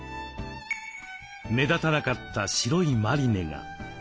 目立たなかった白いマリネが。